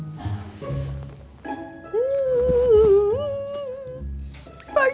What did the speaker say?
jadi pacar lu